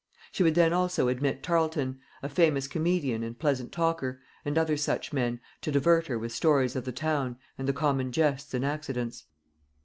She would then also admit Tarleton, a famous comedian and pleasant talker, and other such men, to divert her with stories of the town and the common jests and accidents."